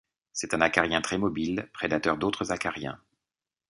C'est un acarien très mobile, prédateur d'autres acariens.